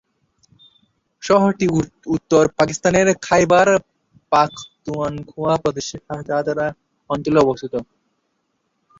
শহরটি উত্তর পাকিস্তানের খাইবার পাখতুনখোয়া প্রদেশের হাজারা অঞ্চলে অবস্থিত।